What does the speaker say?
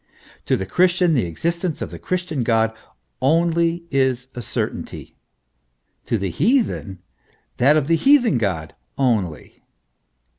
To the Chris tian the existence of the Christian God only is a certainty ; to the heathen that of the heathen God only.